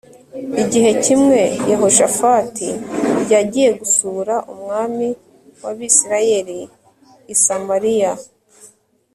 Igihe kimwe Yehoshafati yagiye gusura umwami wAbisirayeli i Samariya